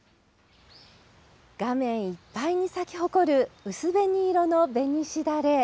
画面いっぱいに咲き誇る薄紅色のべにしだれ。